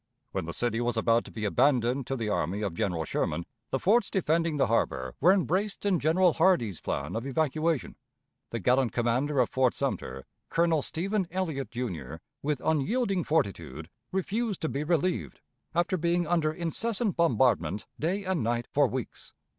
When the city was about to be abandoned to the army of General Sherman, the forts defending the harbor were embraced in General Hardee's plan of evacuation. The gallant commander of Fort Sumter, Colonel Stephen Elliott, Jr., with unyielding fortitude, refused to be relieved, after being under incessant bombardment day and night for weeks.